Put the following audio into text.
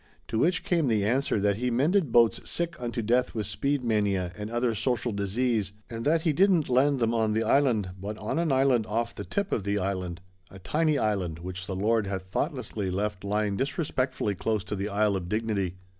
To which came the answer that he mended boats sick unto death with speed mania and other social disease, and that he didn't land them on the Island, but on an island off the tip of the Island, a tiny island which the Lord had thoughtlessly left lying disrespectfully close to the Isle of Dignity.